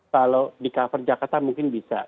kalau di cover jakarta mungkin bisa